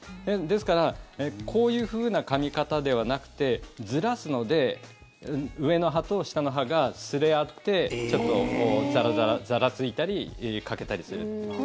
ですから、こういうふうなかみ方ではなくてずらすので上の歯と下の歯がすれ合ってザラついたり、欠けたりする。